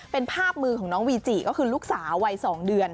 เป็นภาพมือของน้องวีจิก็คือลูกสาววัย๒เดือน